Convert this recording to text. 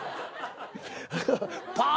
パー！